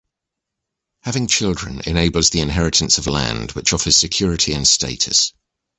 Having children enables the inheritance of land, which offers security and status.